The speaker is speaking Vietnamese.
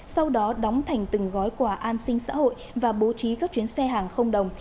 sau đó đóng thành từng gói quà an sinh xã hội và bố trí các chuyến xe hàng không đồng